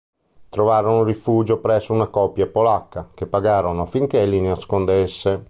Trovarono rifugio presso una coppia polacca, che pagarono affinché li nascondesse.